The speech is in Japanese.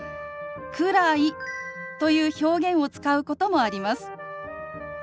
「くらい」という表現を使うこともあります。